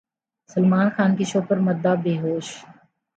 سلمان خان کے شو پر مداح بےہوش